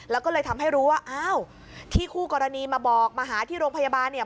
แล้วก็เลยทำให้รู้ว่าอ้าวที่คู่กรณีมาบอกมาหาที่โรงพยาบาลเนี่ย